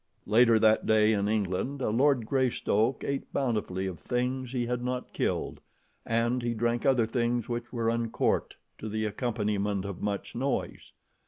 Later that day, in England, a Lord Greystoke ate bountifully of things he had not killed, and he drank other things which were uncorked to the accompaniment of much noise.